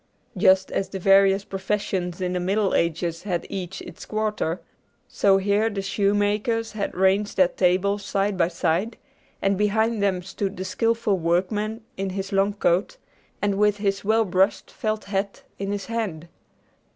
Just as the various professions in the Middle Ages had each its quarter, so here the shoemakers had ranged their tables side by side, and behind them stood the skillful workman in his long coat, and with his well brushed felt hat in his hand.